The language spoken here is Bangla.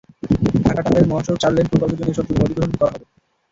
ঢাকা-টাঙ্গাইল মহাসড়ক চার লেন প্রকল্পের জন্য এসব জমি অধিগ্রহণ করা হবে।